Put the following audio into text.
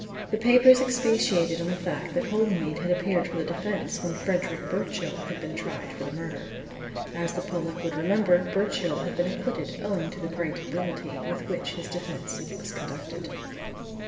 The papers expatiated on the fact that Holymead had appeared for the defence when Frederick Birchill had been tried for the murder. As the public would remember, Birchill had been acquitted owing to the great ability with which his defence was conducted.